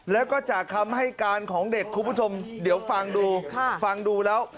แล้วก็จากคำให้การของเด็กคุณผู้ชมเดี๋ยวฟังดูฟังดูแล้ว